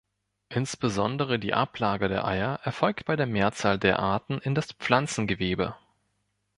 Insbesondere die Ablage der Eier erfolgt bei der Mehrzahl der Arten in das Pflanzengewebe.